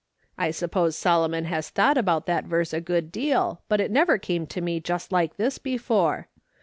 I suppose Solomon has thought about that verse a good deal, but it never came to me just like this before.